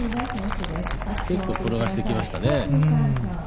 結構転がしてきましたね。